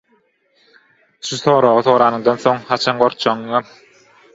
Şu soragy soranyňdan soň, haçan gorkjagyňam